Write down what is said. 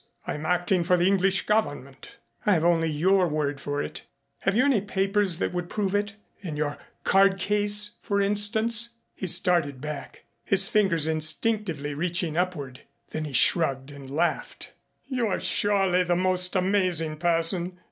I am acting for the English Government." "I have only your word for it. Have you any papers that would prove it in your card case, for instance?" He started back, his fingers instinctively reaching upward. Then he shrugged and laughed. "You are surely the most amazing person.